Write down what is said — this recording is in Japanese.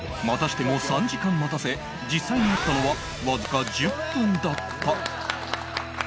またしても３時間待たせ実際に会ったのはわずか１０分だった